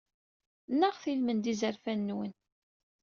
Nnaɣet i lmend n yizerfan-nwen.